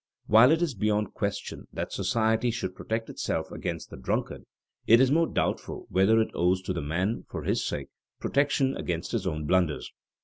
While it is beyond question that society should protect itself against the drunkard, it is more doubtful whether it owes to the man, for his sake, protection against his own blunders.